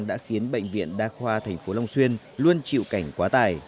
đã khiến bệnh viện đa khoa tp long xuyên luôn chịu cảnh quá tài